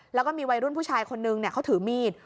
แล้วก็มีวัยรุ่นผู้ชายคนนึงเขาถือมีด